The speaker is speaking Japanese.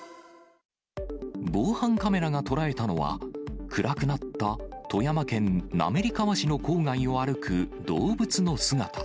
防犯カメラが捉えたのは、暗くなった富山県滑川市の郊外を歩く、動物の姿。